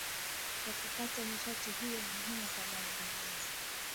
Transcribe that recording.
kwa kupata nishati hiyo muhimu kwa maendeleo